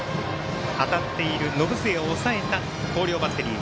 当たっている延末を抑えた広陵バッテリー。